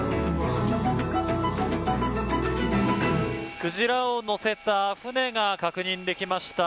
クジラを載せた船が確認できました。